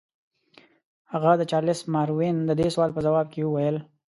هغه د چارلس ماروین د دې سوال په ځواب کې وویل.